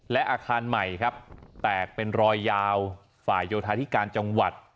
และอาคารใหม่ครับแตกเป็นรอยยาวฝ่ายโยธาธิการจังหวัด